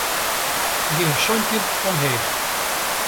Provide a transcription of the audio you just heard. Gean santjin omheech.